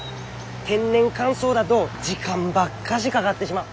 天然乾燥だど時間ばっかしかがってしまう。